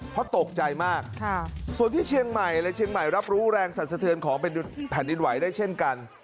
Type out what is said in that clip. เพราะตกใจมากส่วนที่เชียงใหม่และเชียงใหม่รับรู้แรงสรรสะเทือนของแผ่นดินไหวได้เช่นกัน